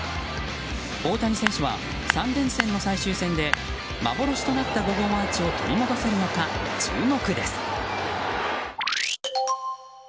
大谷選手は３連戦の最終戦で幻となった５号アーチを取り戻せるのか注目です。